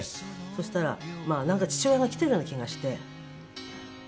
そしたらなんか父親が来ているような気がして。